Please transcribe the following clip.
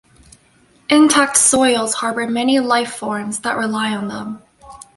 Intact soils harbor many life-forms that rely on them.